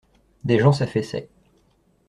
Des gens s'affaissaient.